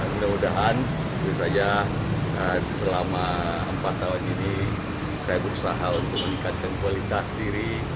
mudah mudahan tentu saja selama empat tahun ini saya berusaha untuk meningkatkan kualitas diri